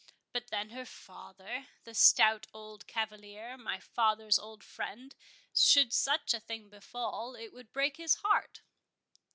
But then her father—the stout old cavalier—my father's old friend—should such a thing befall, it would break his heart.